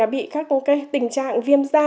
bị các tình trạng viêm da